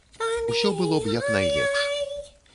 Усё было б як найлепш.